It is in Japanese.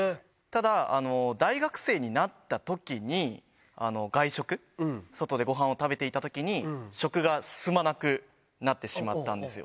ただ、大学生になったときに、外食、外でごはんを食べていたときに、食が進まなくなってしまったんですよ。